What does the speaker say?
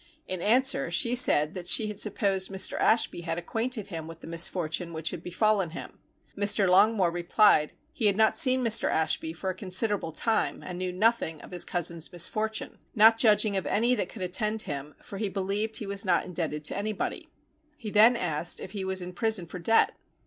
In answer she said that she had supposed Mr. Ashby had acquainted him with the misfortune which had befallen him. Mr. Longmore replied he had not seen Mr. Ashby for a considerable time and knew nothing of his cousin's misfortune, not judging of any that could attend him, for he believed he was not indebted to anybody. He then asked if he was in prison for debt.